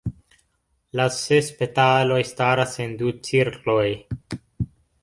La ses petaloj staras en du cirkloj.